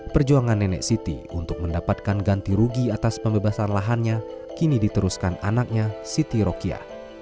perjuangan nenek siti untuk mendapatkan ganti rugi atas pembebasan lahannya kini diteruskan anaknya siti rokia